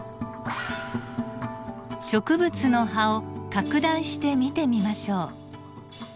植物の葉を拡大して見てみましょう。